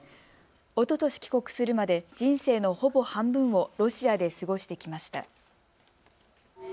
おととし帰国するまで人生のほぼ半分をロシアで過ごしてきました。